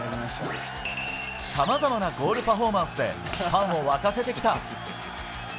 さまざまなゴールパフォーマンスでファンを沸かせてきた。